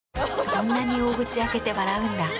そんなに大口開けて笑うんだ。